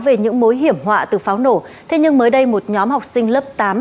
về những mối hiểm họa từ pháo nổ thế nhưng mới đây một nhóm học sinh lớp tám